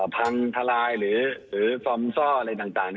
พังทลายหรือฟอร์มซ่ออะไรต่าง